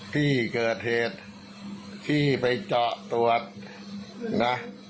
ที่เกิดเหตุที่ไปเจาะตรวจนะ